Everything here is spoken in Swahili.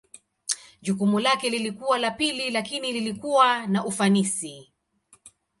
Jukumu lake lilikuwa la pili lakini lilikuwa na ufanisi.